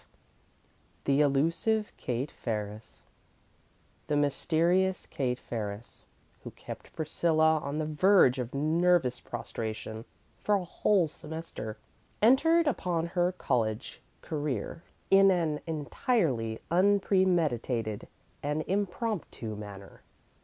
V The Elusive Kate Ferris The mysterious Kate Ferris, who kept Priscilla on the verge of nervous prostration for a whole semester, entered upon her college career in an entirely unpremeditated and impromptu manner.